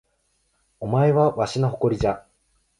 お前はわしの誇りじゃ